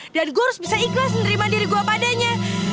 dan gue harus bisa ikhlas nerima diri gue padanya